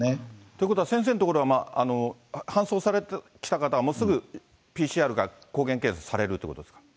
ということは、先生の所は搬送されてきた方はもうすぐＰＣＲか、抗原検査されるということですか？